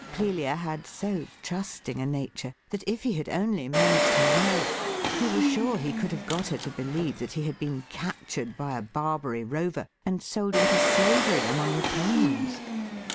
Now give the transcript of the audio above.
Clelia had so trusting a nature that, if he had only managed her well, he was sure he could have got her to believe that he heid been captured by a Barbary rover, and sold into slavery among the Paynims.